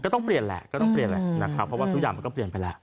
ก็ต้องเปลี่ยนแหละเพราะว่าทุกอย่างมันก็เปลี่ยนไปแล้ว